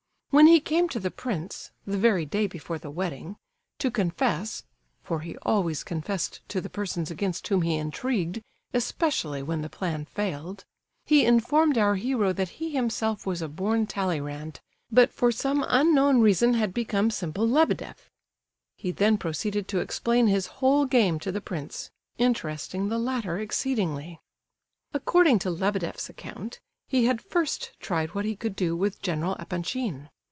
When he came to the prince—the very day before the wedding—to confess (for he always confessed to the persons against whom he intrigued, especially when the plan failed), he informed our hero that he himself was a born Talleyrand, but for some unknown reason had become simple Lebedeff. He then proceeded to explain his whole game to the prince, interesting the latter exceedingly. According to Lebedeff's account, he had first tried what he could do with General Epanchin.